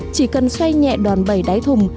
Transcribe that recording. chỉ cần xoay nhẹ đòn bẩy đáy thùng